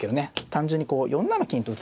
単純にこう４七金と打つ手が。